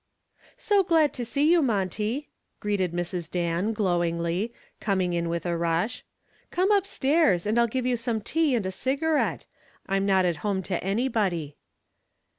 "So glad to see you, Monty," greeted Mrs. Dan, glowingly, coming in with a rush. "Come upstairs and I'll give you some tea and a cigarette. I'm not at home to anybody."